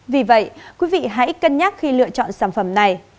vì vậy quý vị hãy cân nhắc khi lựa chọn sản phẩm này